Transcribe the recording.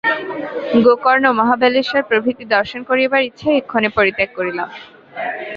গোকর্ণ, মহাবালেশ্বর প্রভৃতি দর্শন করিবার ইচ্ছা এক্ষণে পরিত্যাগ করিলাম।